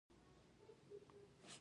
حکومت باید محدود او عادلانه وي.